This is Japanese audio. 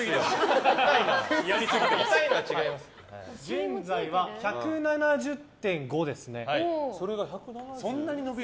現在は１７０．５ですね。